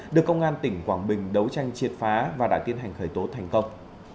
được công an tỉnh quảng bình đấu tranh triệt phá và đã tiến hành khởi tố thành công